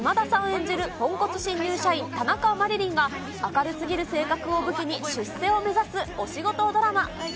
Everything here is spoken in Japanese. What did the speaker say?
演じるぽんこつ新入社員、田中麻理鈴が、明るすぎる性格を武器に、出世を目指すお仕事ドラマ。